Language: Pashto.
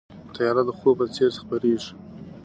تیاره د خوب په څېر خپرېږي.